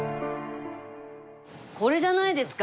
これじゃないですか？